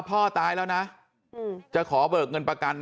พ่อตายแล้วนะจะขอเบิกเงินประกัน